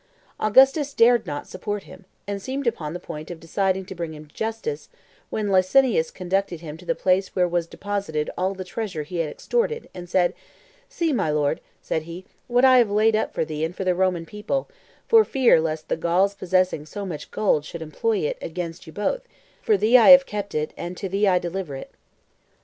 Augustus dared not support him, and seemed upon the point of deciding to bring him to justice, when Licinius conducted him to the place where was deposited all the treasure he had extorted, and, "See, my lord," said he, "what I have laid up for thee and for the Roman people, for fear lest the Gauls possessing so much gold should employ it against you both; for thee I have kept it, and to thee I deliver it."